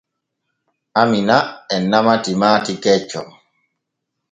Amina e nama timaati kecco.